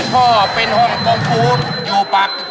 พ่อเป็นฮ่องกองฟูตอยู่ปากกิง